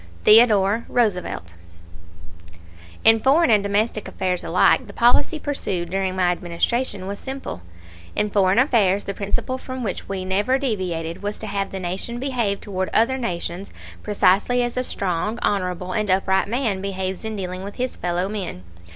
THEODORE ROOSEVELT. In foreign and domestic affairs alike the policy pursued during my Administration was simple. In foreign affairs the principle from which we never deviated was to have the Nation behave toward other nations precisely as a strong, honorable, and upright man behaves in dealing with his fellow men.